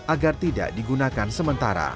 agar tidak digunakan perangkat tersebut